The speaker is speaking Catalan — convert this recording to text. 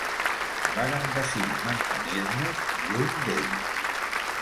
Vàrem decidir mantenir-nos lluny d'ell.